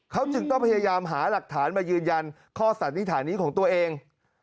เขาจึงต้องพยายามหาหลักฐานมายืนยันข้อสันนิษฐานนี้ของตัวเอง